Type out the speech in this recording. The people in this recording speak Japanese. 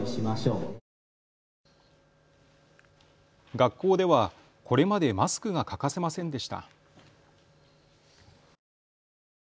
学校ではこれまでマスクが欠かせませんでした。